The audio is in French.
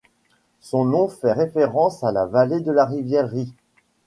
Son nom fait référence à la vallée de la rivière Rye.